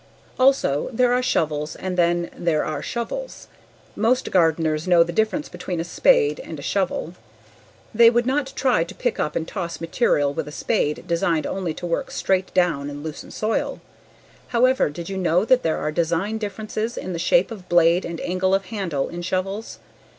Also, there are shovels and then, there are shovels. Most gardeners know the difference between a spade and a shovel. They would not try to pick up and toss material with a spade designed only to work straight down and loosen soil. However, did you know that there are design differences in the shape of blade and angle of handle in shovels.